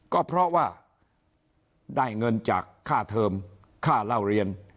ก็เพราะว่าได้เงินจากค่าเทอมค่าเล่าเรียน